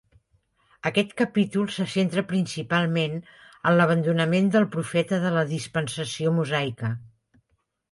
Aquest capítol se centra principalment en l'abandonament del profeta de la dispensació mosaica.